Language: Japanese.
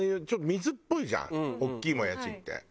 ちょっと水っぽいじゃん大きいもやしって。